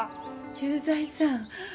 駐在さん。